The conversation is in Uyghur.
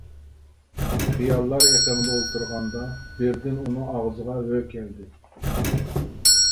خىياللار ئېقىمىدا ئولتۇرغاندا، بىردىن ئۇنىڭ ئاغزىغا ھۆ كەلدى.